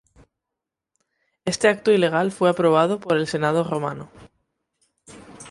Este acto ilegal fue aprobado por el Senado romano.